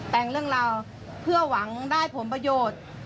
แต่งเรื่องราวเพื่อหวังได้ผลประโยชน์